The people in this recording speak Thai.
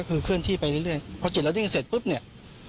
ก็คือเคลื่อนที่ไปเรื่อยเรื่อยพอเจ็ดแล้วดิ้งเสร็จปุ๊บเนี้ย